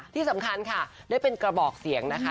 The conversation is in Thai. ที่สำคัญค่ะได้เป็นกระบอกเสียงนะคะ